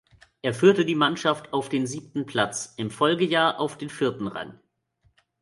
Er führte die Mannschaft auf den siebten Platz, im Folgejahr auf den vierten Rang.